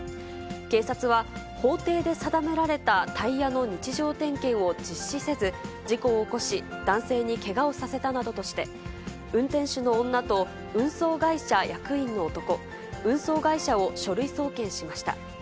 警察は、法定で定められたタイヤの日常点検を実施せず、事故を起こし、男性にけがをさせたなどとして、運転手の女と、運送会社役員の男、運送会社を書類送検しました。